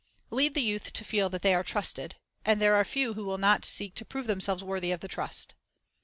Lead the youth to feel that they are trusted, and there are few who will not seek to prove themselves worthy of the trust.